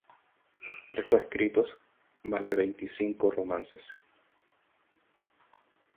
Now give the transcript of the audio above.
Dejó escritos más de veinticinco romances.